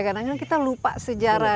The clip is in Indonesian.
kadang kadang kita lupa sejarah